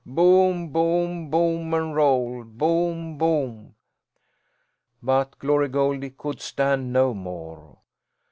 Boom, boom, boom, and roll. Boom, boom." But Glory Goldie could stand no more.